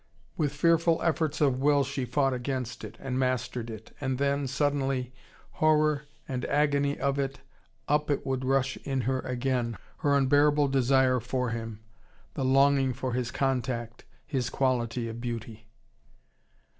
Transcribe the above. With fearful efforts of will she fought against it, and mastered it. And then, suddenly, horror and agony of it, up it would rush in her again, her unbearable desire for him, the longing for his contact, his quality of beauty.